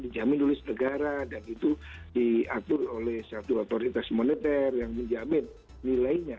dijamin oleh negara dan itu diatur oleh satu otoritas moneter yang menjamin nilainya